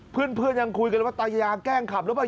เพื่อนยังคุยกันเลยว่าตายาแกล้งขับหรือเปล่า